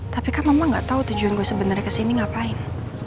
tapi kan mama gak tahu tujuan gue sebenarnya kesini ngapain